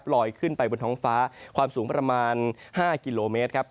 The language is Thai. ลอยขึ้นไปบนท้องฟ้าความสูงประมาณ๕กิโลเมตรครับ